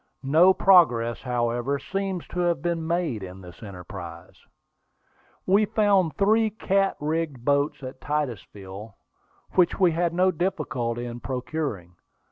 No progress, however, seems to have been made in the enterprise. We found three cat rigged boats at Titusville, which we had no difficulty in procuring.